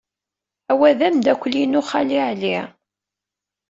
Wa d ameddakel-inu, Xali Ɛli.